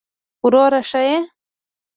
وروره ښه يې!